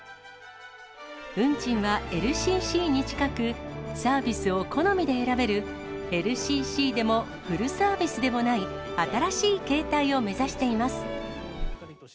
運賃はＬＣＣに近く、サービスを好みで選べるＬＣＣでもフルサービスでもない、新しい形態を目指しています。